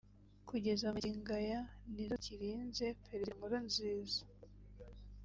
kugeza magingo aya nizo zikirinze Perezida Nkurunziza